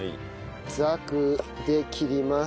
ざくで切ります。